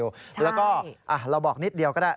แล้วก็เราบอกนิดเดียวก็ได้